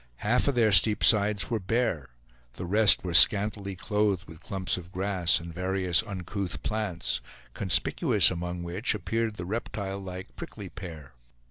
Half of their steep sides were bare; the rest were scantily clothed with clumps of grass, and various uncouth plants, conspicuous among which appeared the reptile like prickly pear.